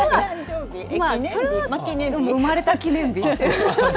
それは生まれた記念日。